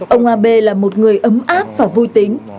ông abe là một người ấm áp và vui tính